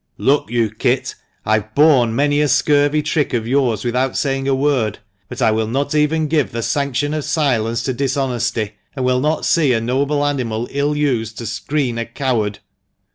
" Look you, Kit, I've borne many a scurvy trick of yours without saying a word, but I will not even give the sanction of silence to dishonesty, and will not see a noble animal ill used to screen a coward."